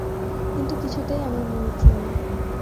কিন্তু কিছুতেই আমার মন উঠল না।